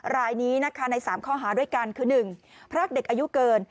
รายนี้นะคะใน๓ข้อหาด้วยกันคือ๑พรากเด็กอายุเกิน